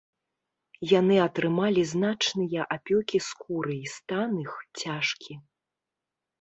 Яны атрымалі значныя апёкі скуры і стан іх цяжкі.